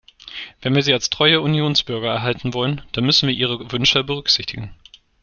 Wenn wir sie als treue Unionsbürger erhalten wollen, dann müssen wir ihre Wünsche berücksichtigen!